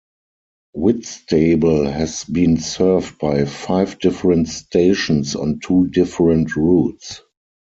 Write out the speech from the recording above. Whitstable has been served by five different stations on two different routes.